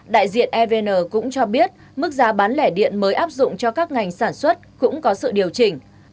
đại diện evn cũng cho biết mức giá bán lẻ điện mới áp dụng cho các ngành sản xuất cũng có sự điều chỉnh